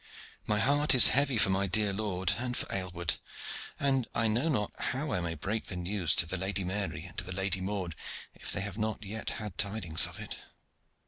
My heart is heavy for my dear lord and for Aylward, and I know not how I may break the news to the Lady Mary and to the Lady Maude, if they have not yet had tidings of it."